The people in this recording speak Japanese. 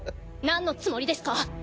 なんのつもりですか？